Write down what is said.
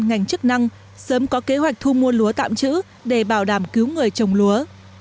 dân chức năng sớm có kế hoạch thu mua lúa tạm trữ để bảo đảm cứu người trồng lúa